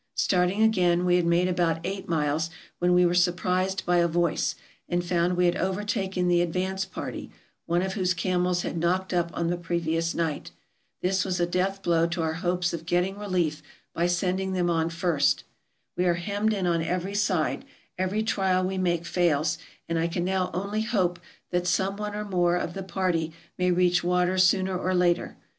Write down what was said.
Starting again, we had made about eight miles when we were surprised by a voice, and found we had overtaken the advance party, one of whose camels had knocked up on the previous night. This was a death blow to our hopes of getting relief by sending them on first. We are hemmed in on every side ; every trial we make fails, and I can now only hope that some one or more of the party may reach water sooner or later.